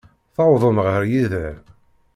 Tewwḍem ɣer yider.